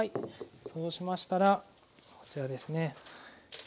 そうしましたらこちらですね。